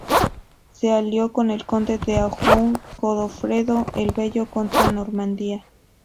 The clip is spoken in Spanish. Se alió con el conde de Anjou Godofredo el Bello contra Normandía.